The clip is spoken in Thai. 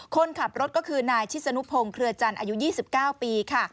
คนขับรถก็คือนายชิศนุพงศ์เครือจันทร์อายุ๒๙ปีค่ะ